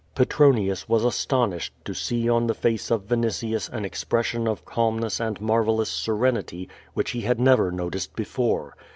Petronius was astonished to see on the face of Vinitius an expression of calmness and marvellous serenity, which he had never noticed before.